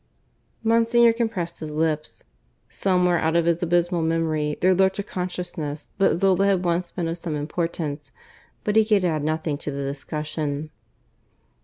Monsignor compressed his lips. Somewhere out of his abysmal memory there lurked a consciousness that Zola had once been of some importance; but he could add nothing to the discussion.